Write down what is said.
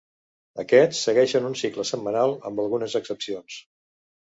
Aquests segueixen un cicle setmanal, amb algunes excepcions.